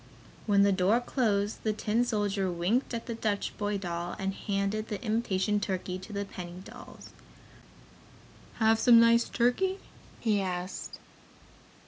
When the door closed, the tin soldier winked at the Dutch boy doll and handed the imitation turkey to the penny dolls. "Have some nice turkey?" he asked.